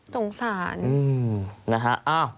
สงสารนะฮะ